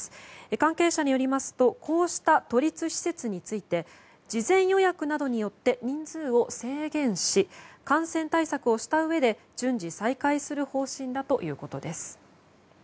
関係者によりますとこうした都立施設について事前予約などによって人数を制限し感染対策をしたうえで、順次再開する方針だということです。